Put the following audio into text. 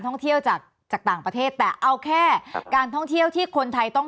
ท่องเที่ยวจากจากต่างประเทศแต่เอาแค่การท่องเที่ยวที่คนไทยต้อง